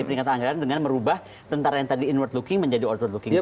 peningkatan anggaran dengan merubah tentara yang tadi inward looking menjadi outward looking